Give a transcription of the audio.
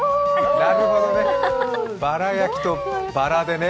なるほどバラ焼きとバラでね。